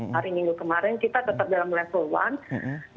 hari minggu kemarin kita tetap dalam level one